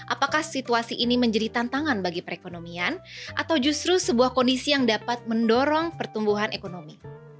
apakah situasi ini menjadi tantangan bagi perekonomian atau justru sebuah kondisi yang dapat mendorong pertumbuhan ekonomi